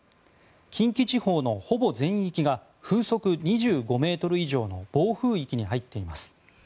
近畿地方のほぼ全域が風速２５ｍ以上の暴風域に入っています。